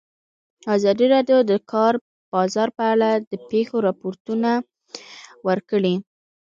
ازادي راډیو د د کار بازار په اړه د پېښو رپوټونه ورکړي.